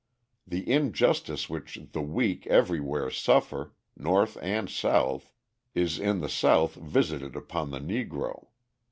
The injustice which the weak everywhere suffer North and South is in the South visited upon the Negro.